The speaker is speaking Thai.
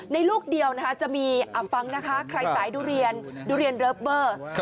ลูกเดียวนะคะจะมีฟังนะคะใครสายดุเรียนดุเรียนเลิฟเบอร์